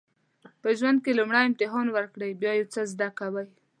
په ژوند کې لومړی امتحان ورکوئ بیا یو څه زده کوئ.